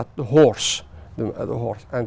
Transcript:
nó có nghĩa là thuyền